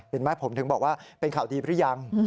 เห็นไหมผมถึงบอกว่าเป็นข่าวดีหรือยัง